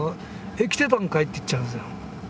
「え来てたんかい？」って言っちゃいますよ。